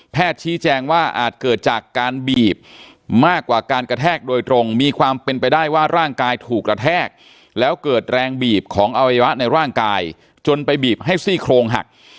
ชี้แจงว่าอาจเกิดจากการบีบมากกว่าการกระแทกโดยตรงมีความเป็นไปได้ว่าร่างกายถูกกระแทกแล้วเกิดแรงบีบของอวัยวะในร่างกายจนไปบีบให้ซี่โครงหัก